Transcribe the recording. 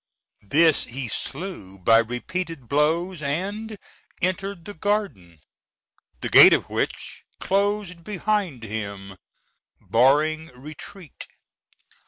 This he slew by repeated blows, and entered the garden, the gate of which closed behind him, barring retreat.